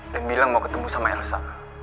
dan bilang mau ketemu sama elsa